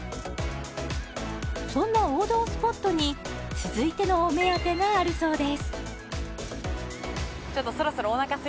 そんな王道スポットに続いてのお目当てがあるそうです